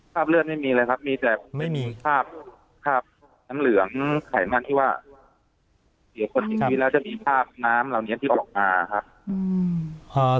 คาบเลือดไม่มีเลยครับมีแต่ไม่มีคาบคาบน้ำเหลืองไขมันที่ว่าเดี๋ยวคนที่มีแล้วจะมีคาบน้ำเหล่านี้ที่ออกมาครับอืมอ่า